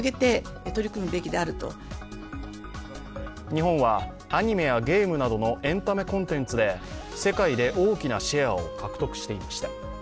日本はアニメやゲームなどのエンタメコンテンツで世界で大きなシェアを獲得していました。